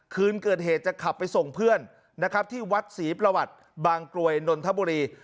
คืนเกิดเหตุจะขับไปส่งเพื่อนนะครับที่วัดศรีประวัติบางกรวยนนทบุรี